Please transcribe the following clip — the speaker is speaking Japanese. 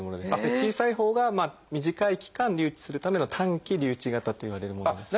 小さいほうが短い期間留置するための短期留置型といわれるものなんですね。